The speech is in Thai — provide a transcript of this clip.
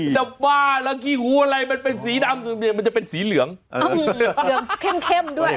จับบ้าแล้วขี้หูอะไรมันเป็นสีดำมันจะเป็นสีเหลืองเหลืองเข้มเข้มด้วย